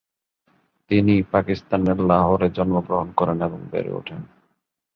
তিনি পাকিস্তানের লাহোরে জন্মগ্রহণ করেন এবং বেড়ে ওঠেন।